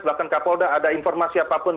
bahkan kapolda ada informasi apapun